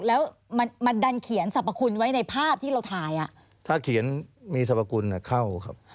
แล้วมันมันดันเขียนสรรพคุณไว้ในภาพที่เราถ่ายอ่ะถ้าเขียนมีสรรพคุณอ่ะเข้าครับ